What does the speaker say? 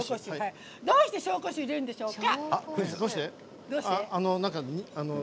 どうして紹興酒入れるんでしょうか！